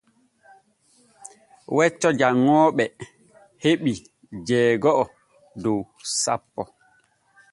Wecco janŋooɓe heɓii jeego’o dow sappo.